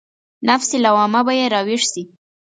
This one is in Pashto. نفس لوامه به يې راويښ شي.